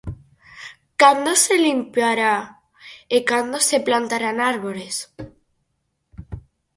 ¿Cando se limpará e cando se plantarán árbores?